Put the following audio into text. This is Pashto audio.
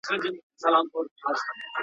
يو لوى دښت وو راټول سوي انسانان وه.